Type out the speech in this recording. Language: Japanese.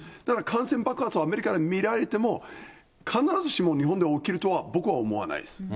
だから、感染爆発がアメリカで見られても、必ずしも日本で起きるとは、僕は思わないです。